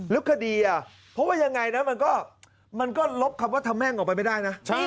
แล้วคดีอ่ะเพราะว่ายังไงนะมันก็ลบคำว่าทำแม่งออกไปไม่ได้นะ